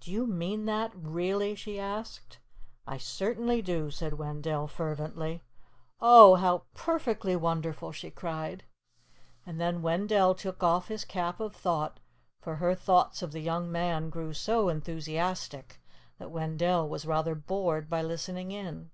"Do you mean that? Really?" she asked. "I certainly do," said Wendell fervently. "Oh, how perfectly wonderful!" she cried; and then Wendell took off his Cap of Thought, for her thoughts of the young man grew so enthusiastic that Wendell was rather bored by listening in.